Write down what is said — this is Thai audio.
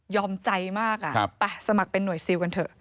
ใจมากไปสมัครเป็นหน่วยซิลกันเถอะ